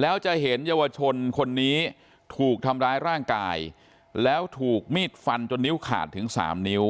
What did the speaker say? แล้วจะเห็นเยาวชนคนนี้ถูกทำร้ายร่างกายแล้วถูกมีดฟันจนนิ้วขาดถึงสามนิ้ว